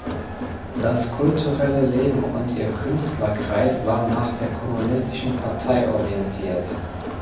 Das kulturelle Leben und ihr Künstlerkreis war nach der Kommunistischen Partei orientiert.